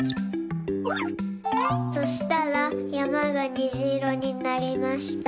そしたらやまがにじいろになりました。